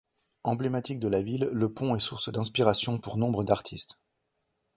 Emblématique de la ville, le pont est source d'inspiration pour nombre d'artistes.